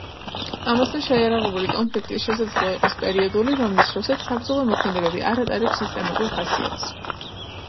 ამასთან, შეიარაღებული კონფლიქტი შესაძლოა იყოს პერიოდული, რომლის დროსაც საბრძოლო მოქმედებები არ ატარებს სისტემატურ ხასიათს.